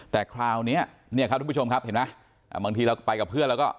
แต่คราวนี้เนี่ยครับทุกผู้ชมครับเห็นไหมบางทีเราไปกับเพื่อนแล้วก็